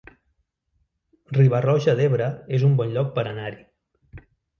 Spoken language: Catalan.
Riba-roja d'Ebre es un bon lloc per anar-hi